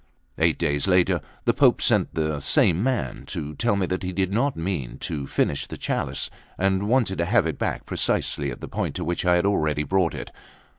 Eight days later, the Pope sent the same man to tell me that he did not mean me to finish the chalice, and wanted to have it back precisely at the point to which I had already brought it.